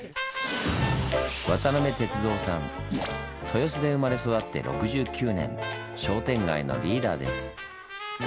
豊洲で生まれ育って６９年商店街のリーダーです。